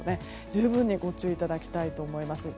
十分にご注意いただきたいと思います。